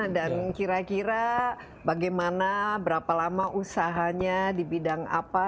dan kira kira bagaimana berapa lama usahanya di bidang apa